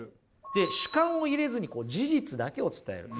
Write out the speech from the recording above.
で主観を入れずに事実だけを伝える。